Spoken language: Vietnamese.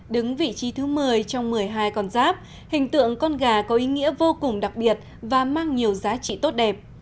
đứng vị trí thứ một mươi trong một mươi hai con giáp hình tượng con gà có ý nghĩa vô cùng đặc biệt và mang nhiều giá trị tốt đẹp